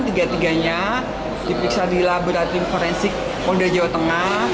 tiga tiganya diperiksa di laboratorium forensik polda jawa tengah